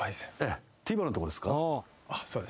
そうです。